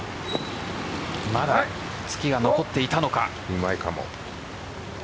まだつきが残っていたのか。